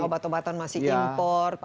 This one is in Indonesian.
obat obatan masih impor